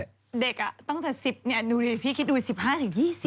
เด็กตั้งแต่๑๐ดูดิพี่คิดดู๑๕๒๐